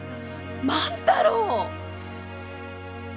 万太郎！